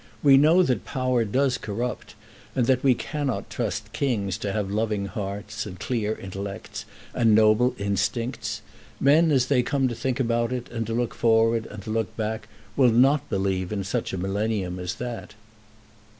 We know that power does corrupt, and that we cannot trust kings to have loving hearts, and clear intellects, and noble instincts. Men as they come to think about it and to look forward, and to look back, will not believe in such a millennium as that."